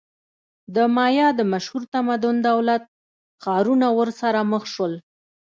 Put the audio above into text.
د مایا د مشهور تمدن دولت-ښارونه ورسره مخ شول.